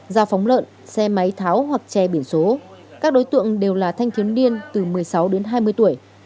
giao phóng lợn xe máy tháo hoặc che biển số các đối tượng đều là thanh thiếu niên từ một mươi sáu đến hai mươi tuổi